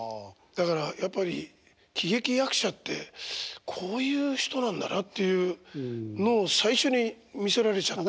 だからやっぱり喜劇役者ってこういう人なんだなっていうのを最初に見せられちゃった。